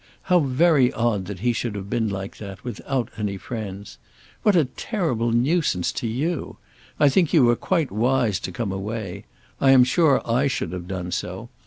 How very odd that he should have been like that, without any friends. What a terrible nuisance to you! I think you were quite wise to come away. I am sure I should have done so.